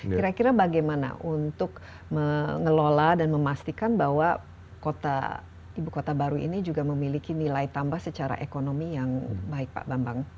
kira kira bagaimana untuk mengelola dan memastikan bahwa ibu kota baru ini juga memiliki nilai tambah secara ekonomi yang baik pak bambang